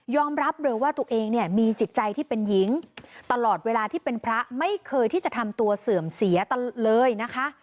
รับเลยว่าตัวเองเนี่ยมีจิตใจที่เป็นหญิงตลอดเวลาที่เป็นพระไม่เคยที่จะทำตัวเสื่อมเสียเลยนะคะ